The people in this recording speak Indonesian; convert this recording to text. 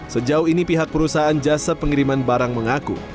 sejauh ini pihak perusahaan jasa pengiriman barang mengaku